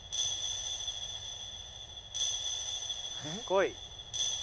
こい！